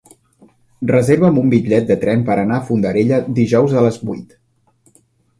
Reserva'm un bitllet de tren per anar a Fondarella dijous a les vuit.